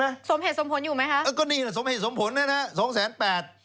ก็สมเหตุสมผลอยู่ไหมครับก็ดีนะสมเหตุสมผลนะครับ๒๘๐๐๐๐บาท